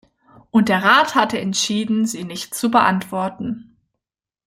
Und der Rat hat entschieden, sie nicht zu beantworten.